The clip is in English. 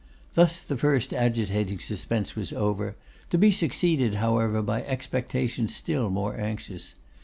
Thus the first agitating suspense was over; to be succeeded, however, by expectation still more anxious.